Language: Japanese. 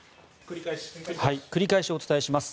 繰り返しお伝えします。